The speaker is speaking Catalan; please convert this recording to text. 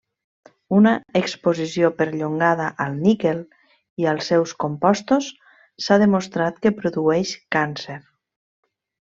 Una exposició perllongada al níquel i els seus compostos s'ha demostrat que produeix càncer.